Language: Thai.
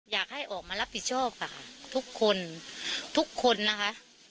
อยากให้ออกมารับผิดชอบค่ะทุกคนทุกคนนะคะ